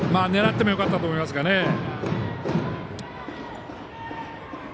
狙ってもよかったと思いますがね。